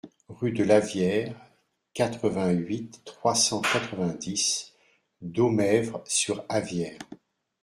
Rue de l'Avière, quatre-vingt-huit, trois cent quatre-vingt-dix Domèvre-sur-Avière